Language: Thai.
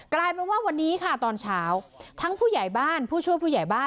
กลายเป็นว่าวันนี้ค่ะตอนเช้าทั้งผู้ใหญ่บ้านผู้ช่วยผู้ใหญ่บ้าน